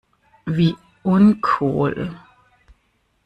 Wie uncool!